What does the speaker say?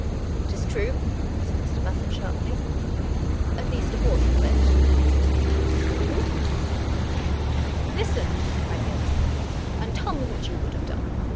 " It is true," said Mr. Bassett sharply —" at least a por tion of it." "True.?" " Listen," cried the other suddenly, " and tell me what you would have done. Mr.